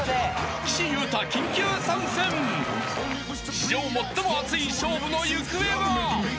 ［史上最も熱い勝負の行方は？］